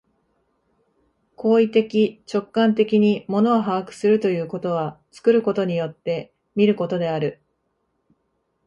行為的直観的に物を把握するということは、作ることによって見ることである。